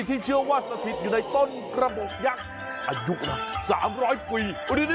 ที่เชื่อว่าสถิตอยู่ในต้นกระบบยักษ์อายุ๓๐๐ปี